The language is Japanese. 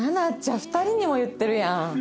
２人にも言ってるやん。